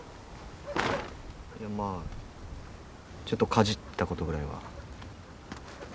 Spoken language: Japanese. いやまあちょっとかじった事ぐらいは。